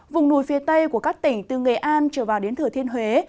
vùng núi phía tây của các tỉnh từ nghệ an trở vào đến thừa thiên huế